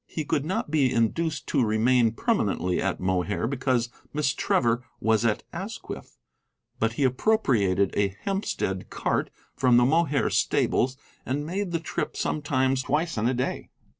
He could not be induced to remain permanently at Mohair because Miss Trevor was at Asquith, but he appropriated a Hempstead cart from the Mohair stables and made the trip sometimes twice in a day.